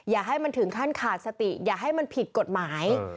อย่าให้มันถึงขั้นขาดสติอย่าให้มันผิดกฎหมาย